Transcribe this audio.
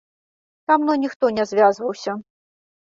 Са мной ніхто не звязваўся.